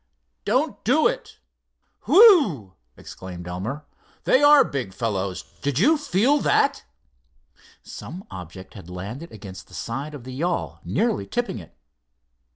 "Don't do it. Whew!" exclaimed Elmer. "They are big fellows. Did you feel that?" Some object had landed against the side of the yawl, nearly tipping it.